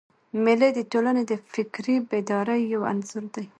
مېلې د ټولني د فکري بیدارۍ یو انځور دئ.